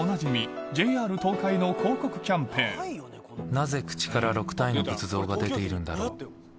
なぜ口から６体の仏像が出ているんだろう？